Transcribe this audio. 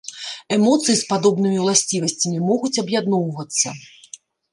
Эмоцыі з падобнымі уласцівасцямі могуць аб'ядноўвацца.